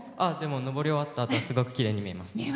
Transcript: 上り終わったあとはすごくきれいに見えます。